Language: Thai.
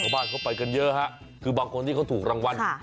บ้านเขาไปกันเยอะฮะคือบางคนที่เขาถูกรางวัล